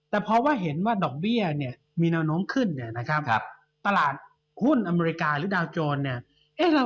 แต่เพราะว่าเห็นว่าดอกเบี้ยมีน้องขึ้นตลาดหุ้นอเมริกาหรือดาวโจร